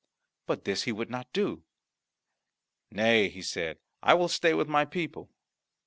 But this he would not do; "Nay," he said, "I will stay with my people."